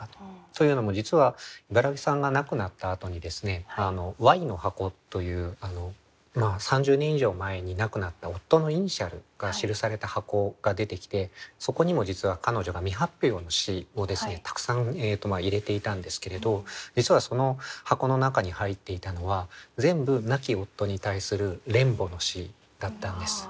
というのも実は茨木さんが亡くなったあとにＹの箱という３０年以上前に亡くなった夫のイニシャルが記された箱が出てきてそこにも実は彼女が未発表の詩をたくさん入れていたんですけれど実はその箱の中に入っていたのは全部亡き夫に対する恋慕の詩だったんです。